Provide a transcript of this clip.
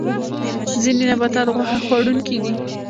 ځینې نباتات غوښه خوړونکي دي